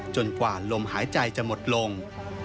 กว่าลมหายใจจะหมดลง